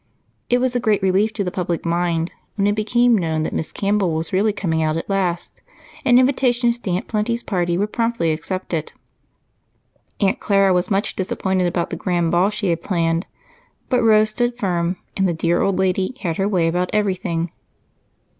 It was a great relief to the public mind when it became known that Miss Campbell was really coming out at last, and invitations to Aunt Plenty's party were promptly accepted. Aunt Clara was much disappointed about the grand ball she had planned, but Rose stood firm, and the dear old lady had her way about everything.